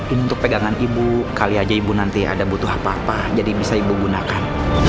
ini untuk pegangan ibu kali aja ibu nanti ada butuh apa apa jadi bisa ibu gunakan